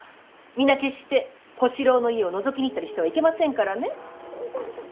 皆決して小四郎の家をのぞきに行ったりしてはいけませんからね。